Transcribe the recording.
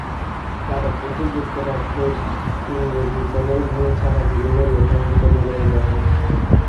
কারণ এটি যুক্তরাজ্যের ইংরেজি চ্যানেলগুলো ছাড়া বিভিন্ন লোকাল চ্যানেলেও দেখানো হবে।